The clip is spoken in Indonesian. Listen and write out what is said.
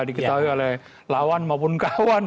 diketahui oleh lawan maupun kawan